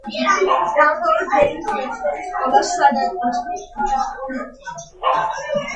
დაამთავრა ჯეიმზ მედისონის სკოლა სან-ანტონიოში.